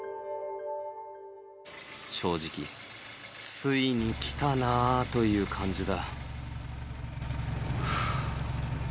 正直、ついに来たなぁという感じだ。